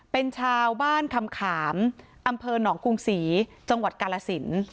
เป็นชาวบ้านคำขามอำเภอหนองกรุงศรีจังหวัดกาลสิน